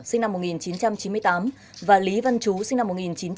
sinh năm một nghìn chín trăm chín mươi tám và lý văn chú sinh năm một nghìn chín trăm tám mươi